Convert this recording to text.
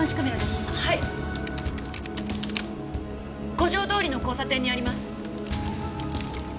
五条通の交差点にあります。